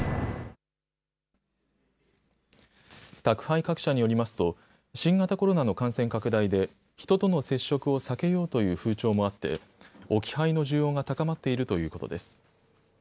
宅配各社によりますと新型コロナの感染拡大で人との接触を避けようという風潮もあって置き配の需要が高まっているということです。